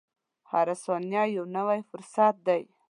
• هره ثانیه یو نوی فرصت دی.